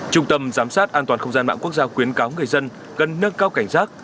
trung tâm giám sát an toàn không gian mạng quốc gia khuyến cáo người dân cần nâng cao cảnh giác